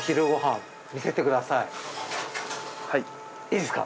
いいですか？